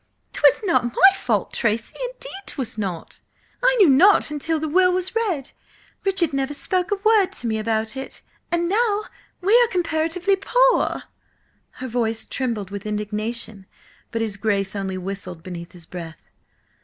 "'Twas not my fault, Tracy–indeed 'twas not! I knew nought until the will was read. Richard never spoke a word to me about it! And now we are comparatively poor!" Her voice trembled with indignation, but his Grace only whistled beneath his breath.